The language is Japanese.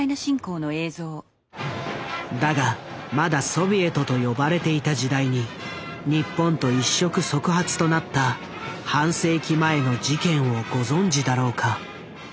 だがまだソビエトと呼ばれていた時代に日本と一触即発となった半世紀前の事件をご存じだろうか。